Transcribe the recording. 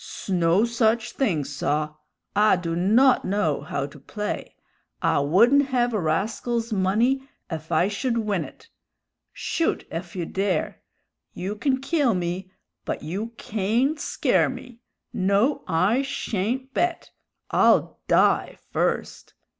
'Sno such thing, saw! I do not know how to play! I wouldn't hev a rascal's money ef I should win it! Shoot ef you dare! You can kill me, but you cayn't scare me! No, I shayn't bet! I'll die first!